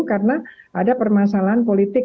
karena ada permasalahan politik